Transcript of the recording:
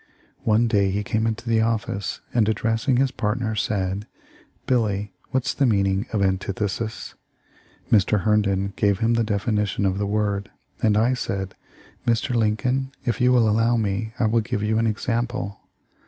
One day he came into the office and addressing his partner, said: 'Billy, what's the mean ing of antithesis?' Mr. Herndon gave him the def inition of the word, and I said : 'Mr. Lincoln, if you will allow me, I will give you an example.'